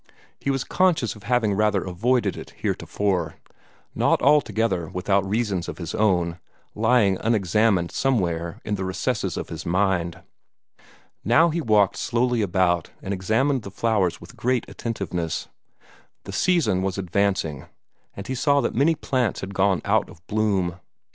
He was conscious of having rather avoided it heretofore not altogether without reasons of his own, lying unexamined somewhere in the recesses of his mind. Now he walked slowly about, and examined the flowers with great attentiveness. The season was advancing, and he saw that many plants had gone out of bloom.